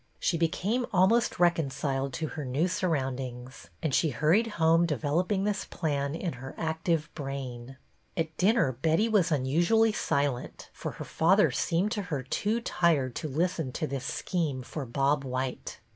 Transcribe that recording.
She became almost reconciled to her new surroundings, and she hurried home developing this plan in her active brain. At dinner Betty was unusually silent, for her TIGHT PAPERS" 13 father seemed to her too tired to listen to this scheme for Bob white.